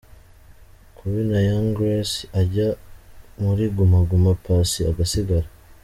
kubina Young Grace ajya muri Guma Guma Paccy agasigara.